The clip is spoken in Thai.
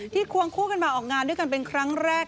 ควงคู่กันมาออกงานด้วยกันเป็นครั้งแรก